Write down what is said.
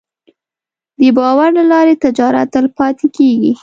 د باور له لارې تجارت تلپاتې کېږي.